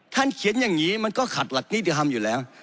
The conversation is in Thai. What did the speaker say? เขียนอย่างนี้มันก็ขัดหลักนิติธรรมอยู่แล้ว